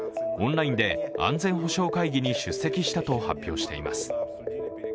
オンラインで安全保障会議に出席したと発表しています。